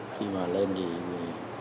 khi mà lên thì